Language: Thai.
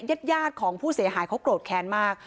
ญาติยาดของผู้เสียหายเขาโกรธแค้นมาก